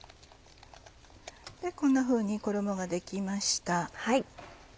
こんなふうに衣ができました。